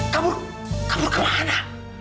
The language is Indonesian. kabur kabur ke mana